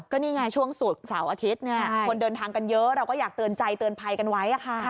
ก็นี่ไงช่วงสุดเสาร์อาทิตย์เนี่ยคนเดินทางกันเยอะเราก็อยากเตือนใจเตือนภัยกันไว้ค่ะ